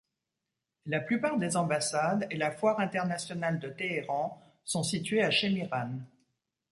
La plupart des ambassades et la Foire Internationale de Téhéran sont situées à Shemiran.